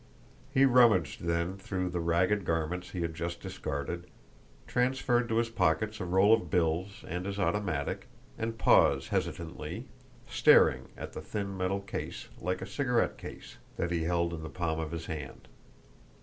He rummaged then through the ragged garments he had just discarded, transferred to his pockets a roll of bills and his automatic, and paused hesitantly, staring at the thin metal case, like a cigarette case, that he held in the palm of his hand.